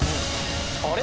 ・あれ？